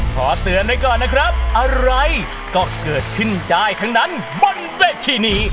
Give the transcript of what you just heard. ขอเตือนไว้ก่อนนะครับอะไรก็เกิดขึ้นได้ทั้งนั้นบนเวทีนี้